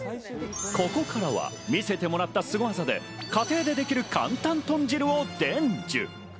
ここからは見せてもらったスゴ技で家庭でできる簡単とん汁を伝授。